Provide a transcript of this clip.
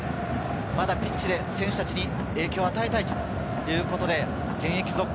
まだピッチで選手たちに影響を与えたいということで、現役続行。